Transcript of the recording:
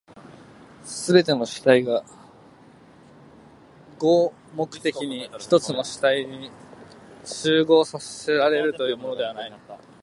すべての主体が合目的的に一つの主体に綜合せられるということでもない。